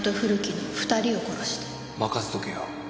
任せとけよ。